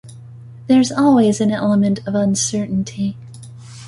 There's always an element of uncertainty.